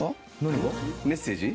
メッセージ？